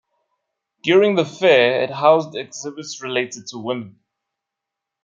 During the fair it housed exhibits related to women.